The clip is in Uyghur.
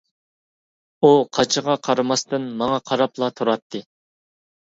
ئۇ قاچىغا قارىماستىن، ماڭا قاراپلا تۇراتتى.